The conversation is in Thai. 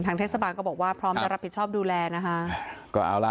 เทศบาลก็บอกว่าพร้อมจะรับผิดชอบดูแลนะคะก็เอาล่ะ